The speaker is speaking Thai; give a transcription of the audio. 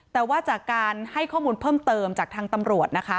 แต่ว่าจากการให้ข้อมูลเพิ่มเติมจากทางตำรวจนะคะ